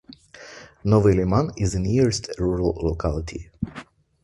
Novy Liman is the nearest rural locality.